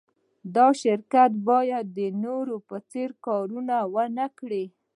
دا شرکت باید د نورو په څېر کارونه و نهکړي